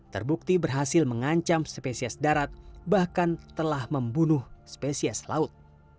terbukti berhasil mengancam spesies darat bahkan telah membunuh spesies laut